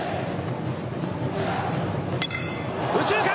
右中間！